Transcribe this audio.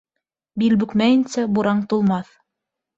Бил бөкмәйенсә, бураң тулмаҫ.